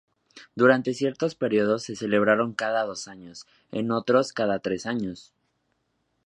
Durante ciertos periodos se celebraron cada dos años, en otros cada tres años.